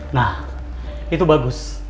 nah itu bagus